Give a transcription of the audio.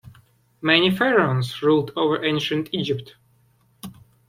Many pharaohs ruled over ancient Egypt.